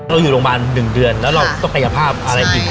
เราอยู่โรงพยาบาล๑เดือนแล้วเราต้องพยาภาพอะไรดิใช่